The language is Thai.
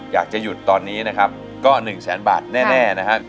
อยากจะหยุดตอนนี้นะครับก็๑แสนบาทแน่นะครับ